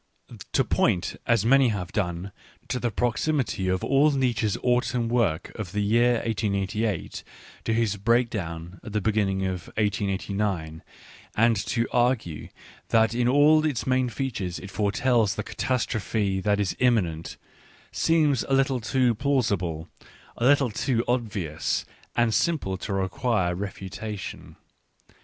To point, as many have done, to the proximity of all Nietzsche's autumn work of the year 1888 to his breakdown at the beginning of 1889, and to argue that in all its main features it foretells the catastrophe that is imminent, seems a little too plausible, a little too obvious and simple to require refutation.